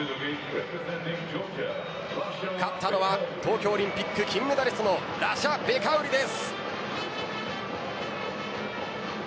勝ったのは東京オリンピック金メダリストのラシャ・ベカウリです。